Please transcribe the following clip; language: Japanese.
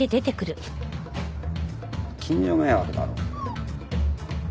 近所迷惑だろ。